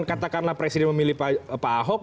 kata karena presiden memilih pak ahok